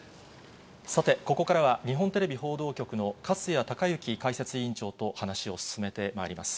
さてここからは、日本テレビ報道局の粕谷賢之解説委員長と話を進めてまいります。